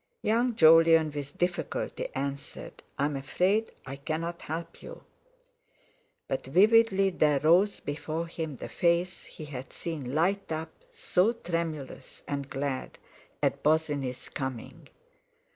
Young Jolyon with difficulty answered: "I'm afraid I cannot help you!" But vividly there rose before him the face he had seen light up, so tremulous and glad, at Bosinney's coming!